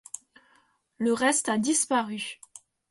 Le reste a disparu.